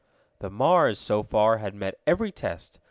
The Mars, so far, had met every test.